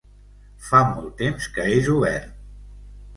Fa molt temps que és obert!